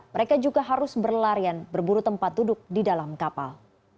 mereka juga harus berlarian berburu tempat duduk di dalam kapal